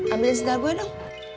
ambilin sedar gue dong